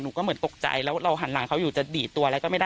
ก็เหมือนตกใจแล้วเราหันหลังเขาอยู่จะดีดตัวอะไรก็ไม่ได้